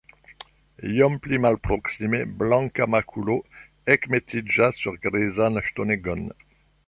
Iom pli malproksime, blanka makulo ekmetiĝas sur grizan ŝtonegon.